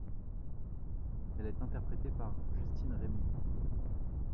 Elle est interprétée par Justine Rémy.